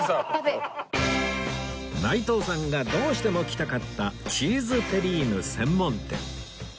内藤さんがどうしても来たかったチーズテリーヌ専門店